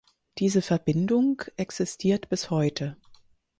Diese Verbindung existiert bis heute.